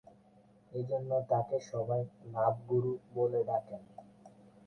এজন্য তাকে সবাই 'লাভ গুরু' বলে ডাকেন।